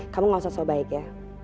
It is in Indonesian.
kamu gak usah sama baik ya